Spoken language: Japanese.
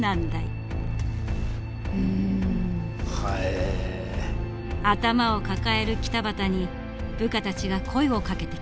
頭を抱える北畑に部下たちが声をかけてきた。